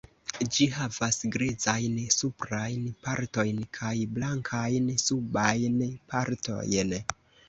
Ĝi havas grizajn suprajn partojn kaj blankajn subajn partojn.